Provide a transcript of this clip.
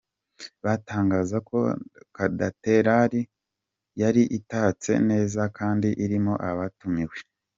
Batangaza ko Katedalari yari itatse neza kandi irimo abatumiwe.